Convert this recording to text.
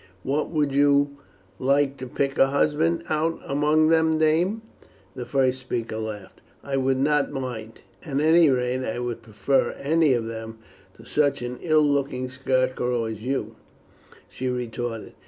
"What, would you like to pick a husband out among them, dame?" the first speaker laughed. "I would not mind. At any rate, I would prefer any of them to such an ill looking scarecrow as you," she retorted.